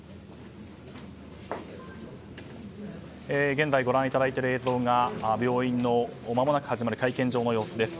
現在ご覧いただいている映像が病院の、まもなく始まる会見場の様子です。